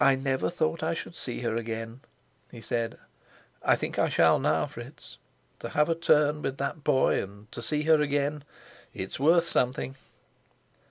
"I never thought I should see her again," he said. "I think I shall now, Fritz. To have a turn with that boy and to see her again it's worth something."